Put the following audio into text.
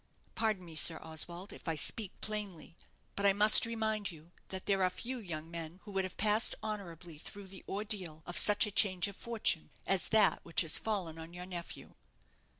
Pardon me, Sir Oswald, if I speak plainly; but I must remind you that there are few young men who would have passed honourably through the ordeal of such a change of fortune as that which has fallen on your nephew."